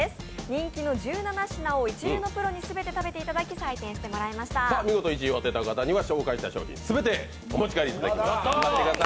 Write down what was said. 人気の１７品を一流のプロに全て食べていただき見事１位を当てた方には紹介した商品をお持ち帰りいただきます。